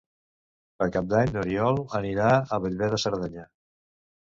Per Cap d'Any n'Oriol anirà a Bellver de Cerdanya.